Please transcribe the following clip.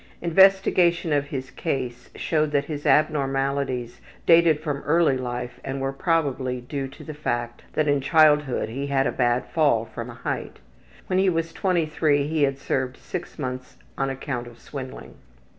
Investigation of his case showed that his abnormalities dated from early life and were probably due to the fact that in childhood he had a bad fall from a height. When he was 23 he had served six months on account of swindling.